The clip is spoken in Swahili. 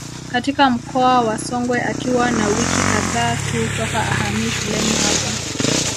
Katika mkoa wa Songwe akiwa na wiki kadhaa tu toka ahamie shuleni hapo